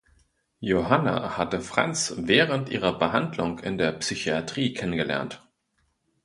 Johanna hatte Franz während ihrer Behandlung in der Psychiatrie kennengelernt.